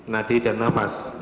nadi dan nafas